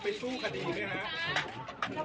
ดีด้วยนะ